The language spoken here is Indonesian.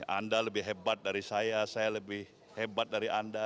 anda lebih hebat dari saya saya lebih hebat dari anda